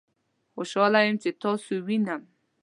خوشحاله یم چې تاسو وینم